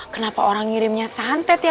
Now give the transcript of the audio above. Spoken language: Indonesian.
kenapa orang ngirimnya santet ya